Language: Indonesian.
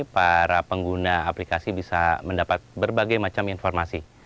para pengguna aplikasi bisa mendapat berbagai macam informasi